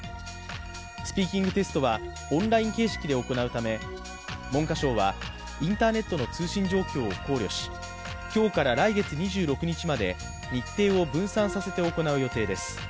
スピーキングテストはオンライン形式で行うため文科省はインターネットの通信状況を考慮し今日から来月２６日まで日程を分散させて行う予定です。